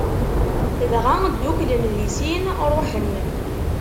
Dɣa dduklen di sin, ṛuḥen.